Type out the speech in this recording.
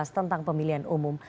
tentang pemilihan umum